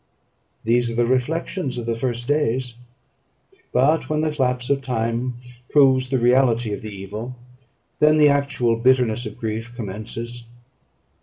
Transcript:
These are the reflections of the first days; but when the lapse of time proves the reality of the evil, then the actual bitterness of grief commences.